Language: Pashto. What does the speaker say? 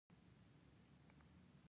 د پيژو شرکت یو مثال دی.